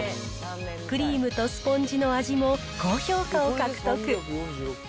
クリームとスポンジの味も高評価を獲得。